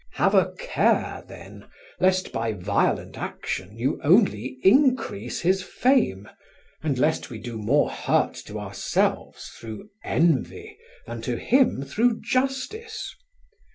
Have a care, then, lest by violent action you only increase his fame, and lest we do more hurt to ourselves through envy than to him through justice.